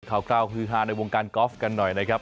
คราวฮือฮาในวงการกอล์ฟกันหน่อยนะครับ